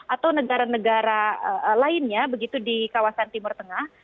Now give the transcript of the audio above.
atau negara negara lainnya begitu di kawasan timur tengah